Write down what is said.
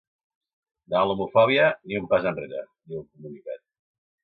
Davant l’homofòbia ni un pas enrere, diu el comunicat.